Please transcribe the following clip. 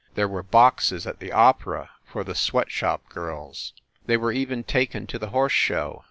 There were boxes at the opera for the sweat shop girls ; they were even taken to the horse show.